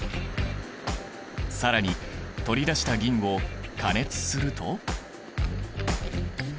更に取り出した銀を加熱すると。